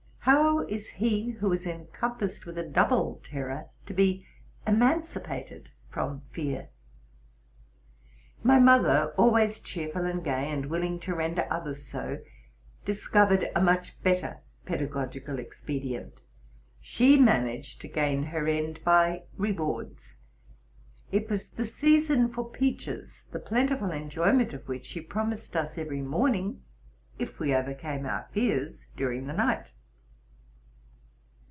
How is he who is encompassed with a double terror to be emancipated from fear? My mother, always cheerful and gay, and willing to render others.so, discovered a much better pedagogical expedient. She managed to gain her end by rewards. It was the season for peaches, the plenti ful enjoyment of which she promised us every morning if we overcame our fears during the night.